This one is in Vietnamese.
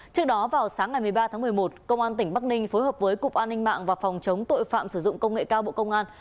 trước đó vào sáng ngày một mươi ba tháng một mươi một công an tỉnh bắc ninh phối hợp với cục an ninh mạng và phòng chống tội phạm sử dụng công nghệ cao bộ công an